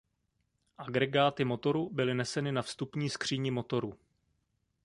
Agregáty motoru byly neseny na vstupní skříni motoru.